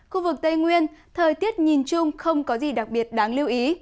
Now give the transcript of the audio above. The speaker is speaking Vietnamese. khu vực tây nguyên thời tiết nhìn chung không có gì đặc biệt đáng lưu ý